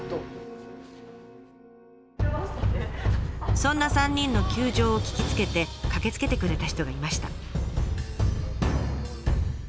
そんな３人の窮状を聞きつけて駆けつけてくれた人がいました。